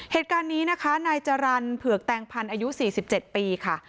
เหตุการณ์นี้นะคะนายจรรย์เผือกแตงพันธ์อายุ๔๗ปีค่ะ